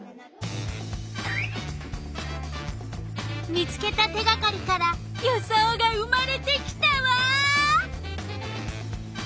見つけた手がかりから予想が生まれてきたわ！